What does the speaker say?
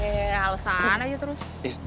eh halusan aja terus